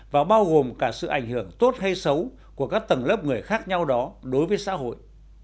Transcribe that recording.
và bao gồm cả sự ảnh hưởng tốt hay xấu của các tầng lớp người khác nhau đó đối với xã hội